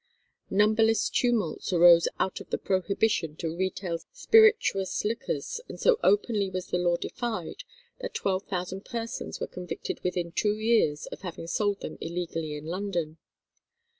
Numberless tumults arose out of the prohibition to retail spirituous liquors, and so openly was the law defied, that twelve thousand persons were convicted within two years of having sold them illegally in London.